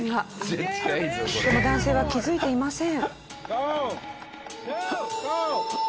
でも男性は気づいていません。